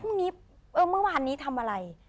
พรุ่งนี้เอ้อเมื่อวานนี้ทำอะไร